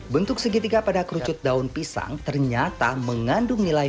bentuk segitiga pada kerucut daun pisang ternyata mengandung nilai